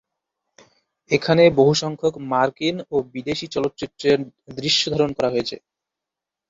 এখানে বহুসংখ্যক মার্কিন ও বিদেশী চলচ্চিত্রের দৃশ্যধারণ করা হয়েছে।